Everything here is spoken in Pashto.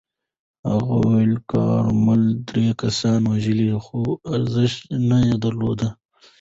هغه ویلي، کارمل درې کسان وژلي خو ارزښت نه یې درلود.